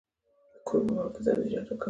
د کور په بام کې سبزیجات وکرم؟